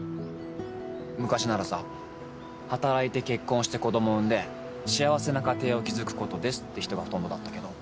昔ならさ「働いて結婚して子供産んで幸せな家庭を築くことです」って人がほとんどだったけど。